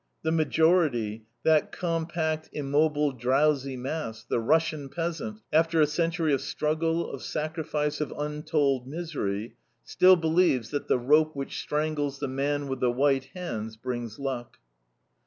The majority, that compact, immobile, drowsy mass, the Russian peasant, after a century of struggle, of sacrifice, of untold misery, still believes that the rope which strangles "the man with the white hands" brings luck.